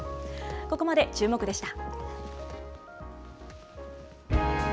ここまでチューモク！でした。